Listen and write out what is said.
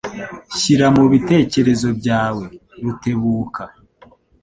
Shyira mubitekerezo byawe, Rutebuka.